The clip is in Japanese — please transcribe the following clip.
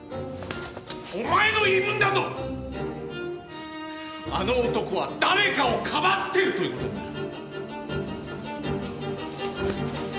お前の言い分だとあの男は誰かをかばってるという事になる。